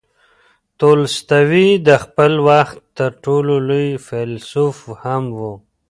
تولستوی د خپل وخت تر ټولو لوی فیلسوف هم و.